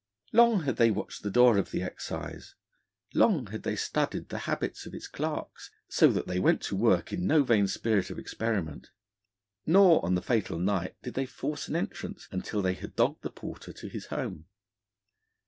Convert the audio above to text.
Long had they watched the door of the Excise; long had they studied the habits of its clerks; so that they went to work in no vain spirit of experiment. Nor on the fatal night did they force an entrance until they had dogged the porter to his home.